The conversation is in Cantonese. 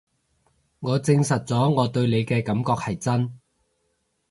我證實咗我對你嘅感覺係真